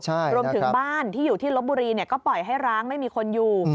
รวมถึงบ้านที่อยู่ที่ลบบุรีก็ปล่อยให้ร้างไม่มีคนอยู่